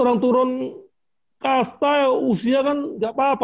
orang turun kasta usia kan gak apa apa